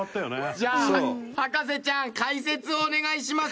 じゃあ博士ちゃん解説をお願いします。